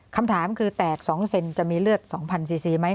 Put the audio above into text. คำถามคือแตก๒เซนจะมีเลือด๒๐๐ซีซีไหม